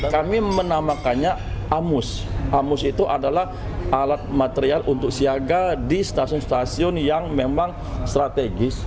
kami menamakannya amus amus itu adalah alat material untuk siaga di stasiun stasiun yang memang strategis